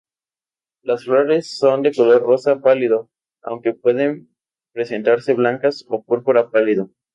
Las flores son de color rosa pálido aunque pueden presentarse blancas o púrpura pálido.